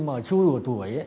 mà chú đủ tuổi